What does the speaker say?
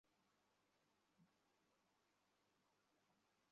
মুখ থেকে পানের পিক ফেলে শক্ত করে আমার হাত চেপে ধরলেন লোকটি।